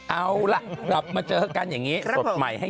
เอาล่ะกลับมาเจอกันอย่างนี้สดใหม่ให้